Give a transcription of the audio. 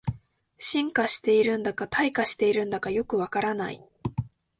進化してるんだか退化してるんだかよくわからない